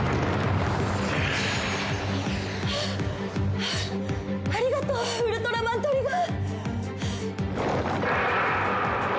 はっはぁありがとうウルトラマントリガー！